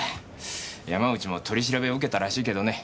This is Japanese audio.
山内も取り調べを受けたらしいけどね